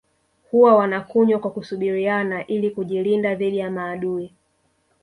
Huwa wanakunywa kwa kusubiriana ili kujilinda dhidi ya maadui